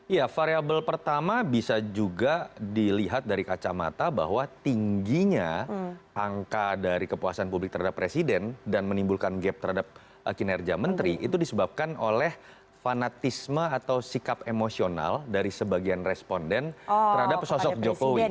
ya variable pertama bisa juga dilihat dari kacamata bahwa tingginya angka dari kepuasan publik terhadap presiden dan menimbulkan gap terhadap kinerja menteri itu disebabkan oleh fanatisme atau sikap emosional dari sebagian responden terhadap sosok jokowi